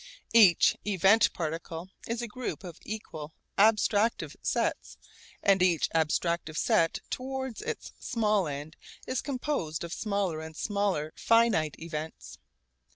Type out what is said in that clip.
Each event particle is a group of equal abstractive sets and each abstractive set towards its small end is composed of smaller and smaller finite events.